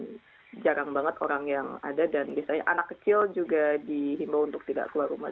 jadi jarang banget orang yang ada dan anak kecil juga dihimbau untuk tidak keluar rumah